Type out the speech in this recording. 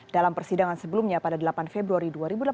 dalam persidangan sebelumnya pada delapan februari dua ribu delapan belas